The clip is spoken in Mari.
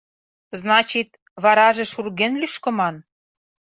Значит, вараже шурген лӱшкыман?